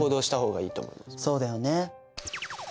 そうだよね。